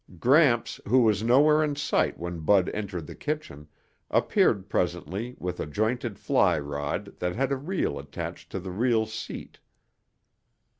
Gramps, who was nowhere in sight when Bud entered the kitchen, appeared presently with a jointed fly rod that had a reel attached to the reel seat.